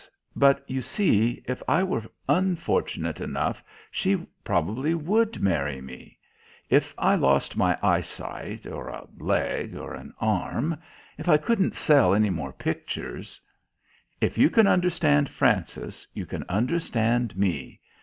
But, you see, if I were unfortunate enough she probably would marry me. If I lost my eyesight or a leg or an arm, if I couldn't sell any more pictures " "If you can understand Frances, you can understand me.